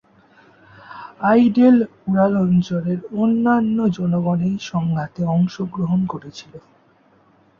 Idel-Ural অঞ্চলের অন্যান্য জনগণ এই সংঘাতে অংশগ্রহণ করেছিল।